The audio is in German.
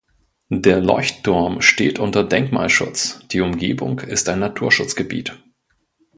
Der Leuchtturm steht unter Denkmalschutz, die Umgebung ist ein Naturschutzgebiet.